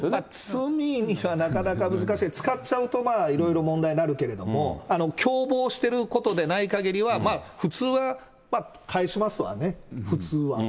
罪にはなかなか難しい、使っちゃうと、まあいろいろ問題になるけれども、共謀してることでないかぎりは、普通は返しますわね、普通は。